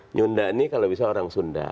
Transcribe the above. nyunda ini kalau bisa orang sunda